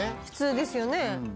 普通ですよね。